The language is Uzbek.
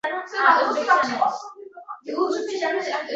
Siz qo‘lingizdagi gullardan ko‘ra qalbingizdagi sevgiga e’tibor bering.